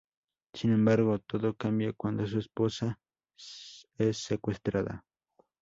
Sin embargo todo cambia cuando su esposa, Ji-soo, es secuestrada.